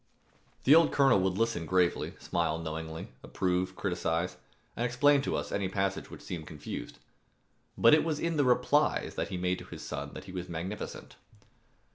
The old colonel would listen gravely, smile knowingly, approve, criticize, and explain to us any passage which seemed confused. But it was in the replies that he made to his son that he was magnificent.